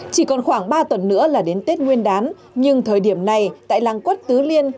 chỉ còn khoảng ba tuần nữa là đến tết nguyên đán nhưng thời điểm này tại làng quất tứ liên